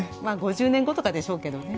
５０年後とかでしょうけどね。